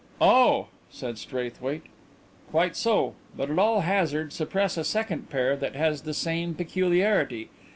"Oh !" said Straithwaite. "Quite so. But at all hazard suppress a second pair that has the same peculiarity.